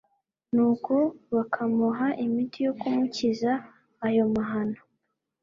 Nuko bakamuha imiti yo kumukiza ayo mahano